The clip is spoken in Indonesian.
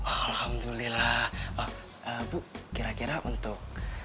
alhamdulillah bu kira kira untuk